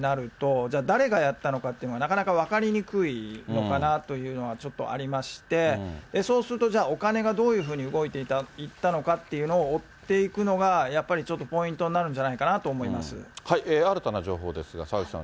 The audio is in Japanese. じゃあ誰がやったのかって、なかなか分かりにくいのかなというのはちょっとありまして、そうするとじゃあ、お金がどういうふうに動いていったのかというのを追っていくのが、やっぱりちょっとポイントになるんじゃないかな新たな情報ですが、澤口さん